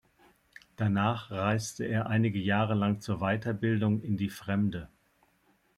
Danach reiste er einige Jahre lang zur Weiterbildung „in die Fremde“.